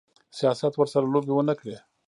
سیاست ورسره لوبې ونه کړي.